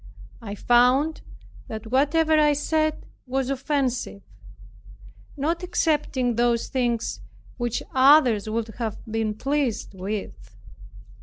I found that whatever I said was offensive, not excepting those things which others would have been pleased with.